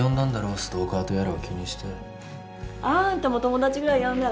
ストーカーとやらを気にしてあんたも友達ぐらい呼んだら？